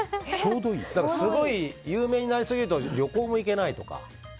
すごい有名になりすぎると旅行も行けないとか。